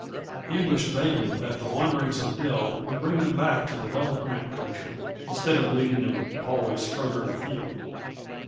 He wished vaguely that the wanderings of Dill would bring them back to the Double Crank country, instead of leading them always farther afield.